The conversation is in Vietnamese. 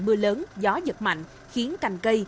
mưa lớn gió giật mạnh khiến cành cây